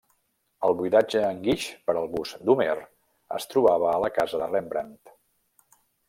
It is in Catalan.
El buidatge en guix per al bust d'Homer es trobava a la casa de Rembrandt.